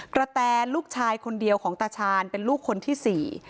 แตลูกชายคนเดียวของตาชาญเป็นลูกคนที่สี่